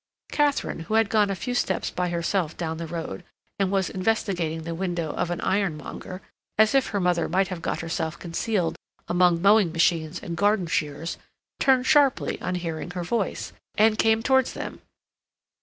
Katharine, who had gone a few steps by herself down the road, and was investigating the window of an ironmonger, as if her mother might have got herself concealed among mowing machines and garden shears, turned sharply on hearing her voice, and came towards them.